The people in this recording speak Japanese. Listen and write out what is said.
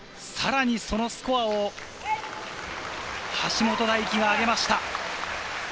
さらにそのスコアを橋本大輝が上げました。